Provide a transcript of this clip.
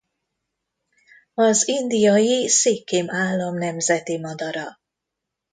Az indiai Szikkim állam nemzeti madara.